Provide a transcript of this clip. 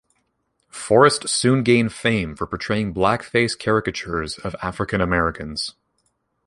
Forrest soon gained fame for portraying blackface caricatures of African Americans.